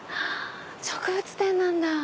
植物店なんだ。